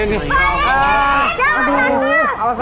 alas alas udah alas